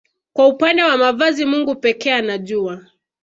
Kwa upande wa mavazi Mungu pekee anajua